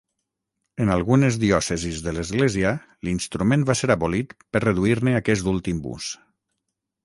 En algunes diòcesis de l'Església, l'instrument va ser abolit per reduir-ne aquest últim ús.